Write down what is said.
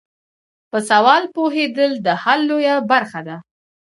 په سوال پوهیدل د حل لویه برخه ده.